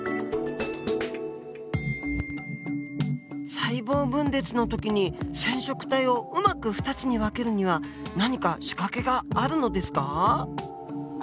細胞分裂の時に染色体をうまく２つに分けるには何か仕掛けがあるのですか？